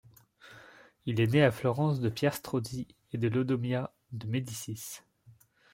Il est né à Florence de Pierre Strozzi et de Laudomia de Médicis.